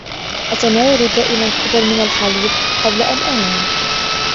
أتناول دائما كوبا من الحليب قبل أن أنام.